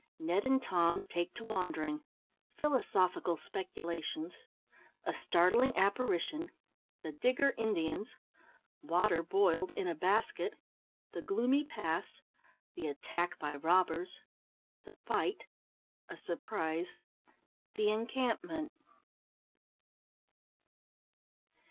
NED AND TOM TAKE TO WANDERING PHILOSOPHICAL SPECULATIONS A STARTLING APPARITION THE DIGGER INDIANS WATER BOILED IN A BASKET THE GLOOMY PASS THE ATTACK BY ROBBERS THE FIGHT A SURPRISE THE ENCAMPMENT.